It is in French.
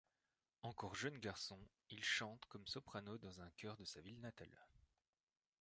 Encore jeune garçon, il chante comme soprano dans un chœur de sa ville natale.